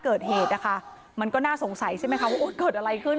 เกิดเหตุนะคะมันก็น่าสงสัยใช่ไหมคะว่าเกิดอะไรขึ้น